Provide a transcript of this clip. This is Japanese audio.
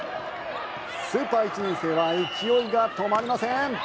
スーパー１年生は勢いが止まりません。